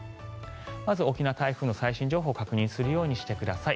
まず沖縄、台風の最新情報を確認するようにしてください。